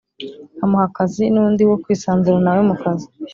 Amuha akazi n undi wo kwisanzurana nawe mu kazi